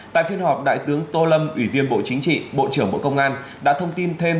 tại phiên họp đại tướng tô lâm ủy viên bộ chính trị bộ trưởng bộ công an đã thông tin thêm